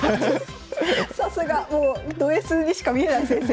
さすが！ドＳにしか見えない先生。